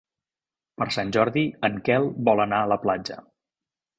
Per Sant Jordi en Quel vol anar a la platja.